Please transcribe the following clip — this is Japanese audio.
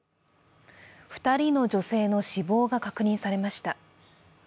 ２人の女性の死亡が確認されました。